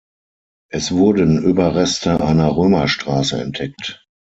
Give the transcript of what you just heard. Es wurden Überreste einer Römerstraße entdeckt.